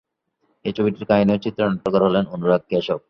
এই ছবিটির কাহিনি ও চিত্রনাট্যকার হলেন অনুরাগ কাশ্যপ।